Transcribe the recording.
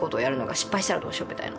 失敗したらどうしようみたいな。